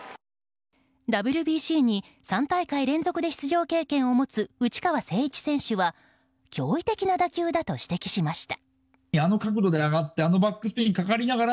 ＷＢＣに３大会連続で出場経験を持つ内川聖一選手は驚異的な打球だと指摘しました。